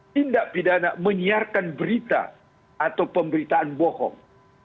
tindak pidana menyiarkan berita atau pemberitaan bohong